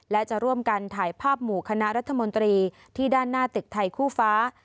และจะร่วมกันถ่ายภาพหมู่คณะรัฐมนตรีที่ด้านหน้าตึกไทยคู่ฟ้า